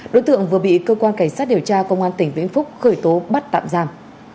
đối tượng vừa bị cơ quan cảnh sát điều tra công an tỉnh vĩnh phúc khởi tố bắt tạm giam